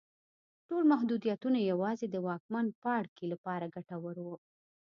ټول محدودیتونه یوازې د واکمن پاړکي لپاره ګټور وو.